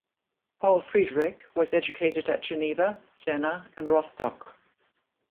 Paul Friedrich was educated at Geneva, Jena and Rostock.